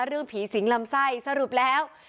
เรื่องผีสิงลำไส้สรุปแล้ว